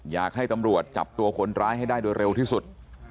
อยากให้ตำรวจจับตัวคนร้ายให้ได้โดยเร็วที่สุด